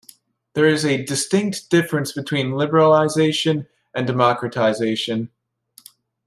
There is a distinct difference between liberalization and democratization.